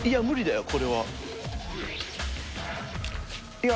いや。